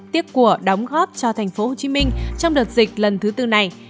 tiếc của đóng góp cho tp hcm trong đợt dịch lần thứ tư này